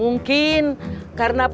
yang ini udah kecium